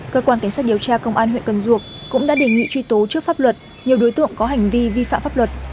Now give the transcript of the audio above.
cơ quan cảnh sát điều tra công an huyện cần duộc cũng đã đề nghị truy tố trước pháp luật nhiều đối tượng có hành vi vi phạm pháp luật